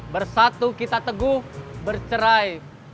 bersatu kita teguh bercerai